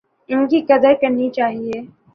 ان کی قدر کرنی چاہیے۔